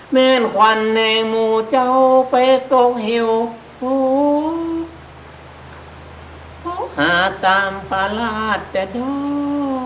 เมื่นควัญในหมู่เจ้าไปกกหิวโหโหหาตามปลาลาดดดู